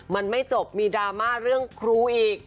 มันไม่จบมีดราม่าเรื่องครูอีก